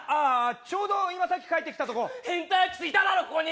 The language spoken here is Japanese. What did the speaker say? ちょうど今さっき帰ってきたとこ変態空き巣いただろここに！